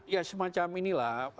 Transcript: ya semacam inilah